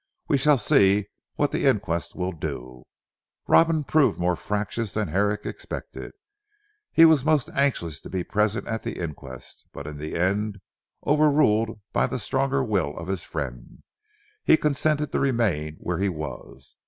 We shall see what the inquest will do." Robin proved more fractious than Herrick expected. He was most anxious to be present at the inquest: but in the end over ruled by the stronger will of his friend, he consented to remain where he was.